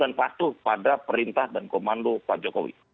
dan itu yang patuh pada perintah dan komando pak jokowi